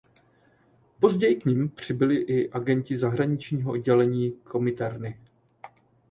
Později k nim přibyli i agenti zahraničního oddělení Kominterny.